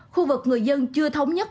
khu vực người dân chưa thống nhất